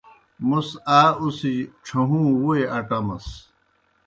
موْس آ اُڅِھجیْ ڇھہُوں ووئی اٹمَس۔